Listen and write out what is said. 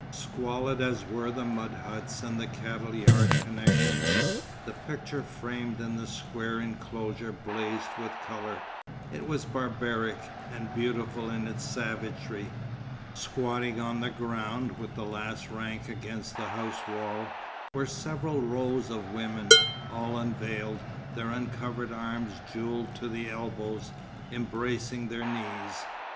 Squalid as were the mud huts and the cattle yard connecting them, the picture framed in the square enclosure blazed with colour. It was barbaric, and beautiful in its savagery. Squatting on the ground, with the last rank against the house wall, were several rows of women, all unveiled, their uncovered arms jewelled to the elbows, embracing their knees.